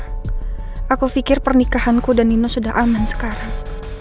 aku pikir pernikahanku dan nino sudah aman sekarang